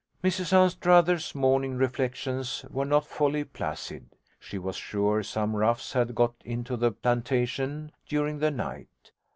Mrs Anstruther's morning reflections were not wholly placid. She was sure some roughs had got into the plantation during the night.